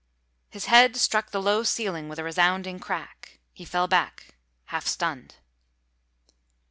His head struck the low ceiling with a resounding crack. He fell back, half stunned.